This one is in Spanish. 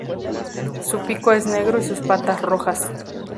Su pico es negro y sus patas rojas.